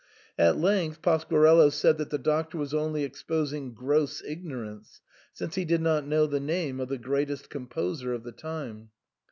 At length Pasquarello said that the Doctor was only exposing gross ignorance, since he did not know the name of the greatest composer of the time.